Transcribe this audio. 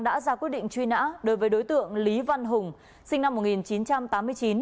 đã ra quyết định truy nã đối với đối tượng lý văn hùng sinh năm một nghìn chín trăm tám mươi chín